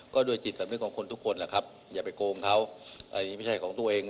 ก็ด้วยจิตสำนึกของคนทุกคนแหละครับอย่าไปโกงเขาอันนี้ไม่ใช่ของตัวเอง